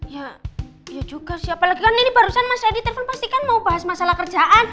ya dia juga siapa lagi kan ini barusan mas reddy telepon pastikan mau bahas masalah kerjaan